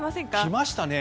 来ましたね。